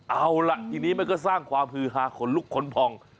เอาล่ะทีนี้มันก็สร้างความฮือฮาขนลุกขนพอง